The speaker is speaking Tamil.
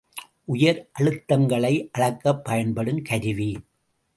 உயர் அழுத்தங்களை அளக்கப் பயன்படும் கருவி.